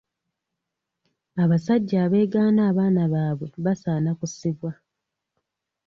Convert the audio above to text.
Abasajja abeegaana abaana baabwe basaana kusiba.